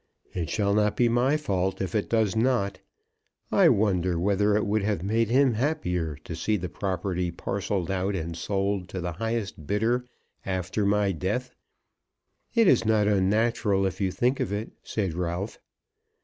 "It shall not be my fault if it does not. I wonder whether it would have made him happier to see the property parcelled out and sold to the highest bidder after my death." "It is not unnatural, if you think of it," said Ralph.